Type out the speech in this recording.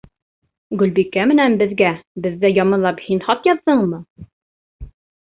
Гөлбикә менән беҙгә беҙҙе яманлап һин хат яҙҙыңмы?